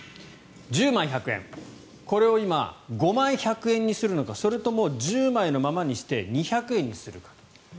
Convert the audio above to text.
１０枚１００円、これを今５枚１００円にするのかそれとも１０枚のままにして２００円にするかと。